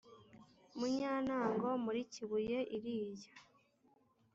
Mu Nyantango muri Kibuye iriya